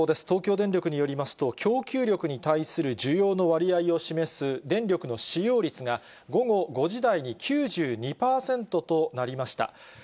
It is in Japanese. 東京電力によりますと、供給力に対する需要の割合を示す電力の使用率が、午後５時台に９２％となりました。